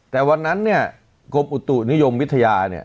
แต่วันนั้นเนี่ยกรมอุตุนิยมวิทยาเนี่ย